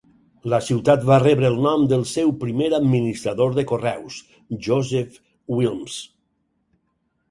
La ciutat va rebre el nom del seu primer administrador de correus, Joseph Wilmes.